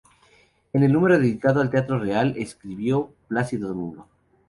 En el número dedicado al Teatro Real escribió Plácido Domingo.